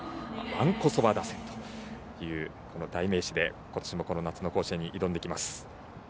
わんこそば打線ということでことしも夏の甲子園に挑んできます。